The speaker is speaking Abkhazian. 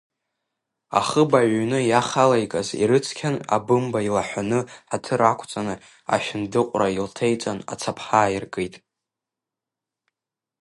Ахыбаҩ иҩны иахалеигаз ирыцқьан, абымба илаҳәаны, ҳаҭыр ақәҵаны, ашәындыҟәра илҭеиҵан ацаԥха аиркит.